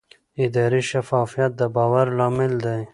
اداري شفافیت د باور لامل دی